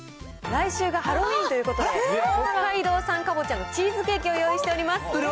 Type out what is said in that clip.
来週がハロウィーンということで、北海道産かぼちゃのチーズケーキをご用意しています。